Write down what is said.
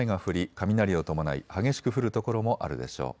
雷を伴い激しく降る所もあるでしょう。